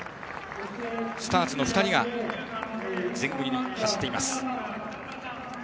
スターツの２人が前後に走っています。